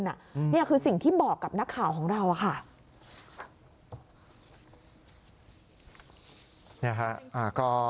นี่คือสิ่งที่บอกกับนักข่าวของเราค่ะ